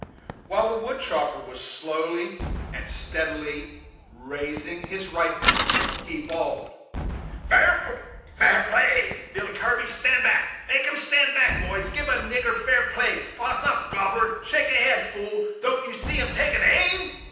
While the wood chopper was slowly and steadily raising his rifle, he bawled; "Fair play, Billy Kirby stand back make 'em stand back, boys gib a nigger fair play poss up, gobbler; shake a head, fool; don't you see 'em taking aim?"